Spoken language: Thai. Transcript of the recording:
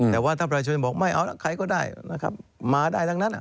แต่ว่าถ้าบริษัทจะบอกไม่เอาล่ะใครก็ได้นะครับมาได้ดังนั้น